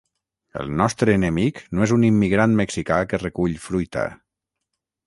El nostre enemic no és un immigrant mexicà que recull fruita.